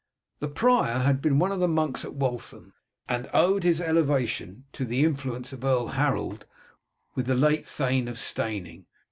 The prior had been one of the monks at Waltham, and owed his elevation to the influence of Earl Harold with the late thane of Steyning.